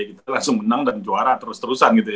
kita langsung menang dan juara terus terusan gitu ya